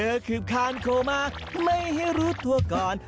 ขืบคานโคมาไม่ให้รู้ตัวก่อน